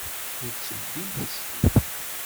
Ur ttebbint isekla.